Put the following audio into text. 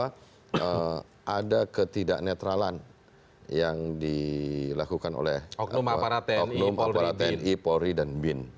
ketika pak sby menyatakan bahwa ada ketidak netralan yang dilakukan oleh oknum aparateni polri dan bin